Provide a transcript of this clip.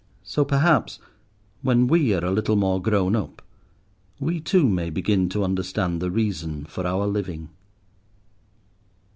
So, perhaps, when we are a little more grown up, we too may begin to understand the reason for our living.